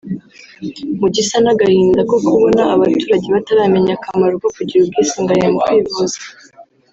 Mu gisa n’agahinda ko kubona abaturage bataramenya akamaro ko kugira ubwisungane mu kwivuza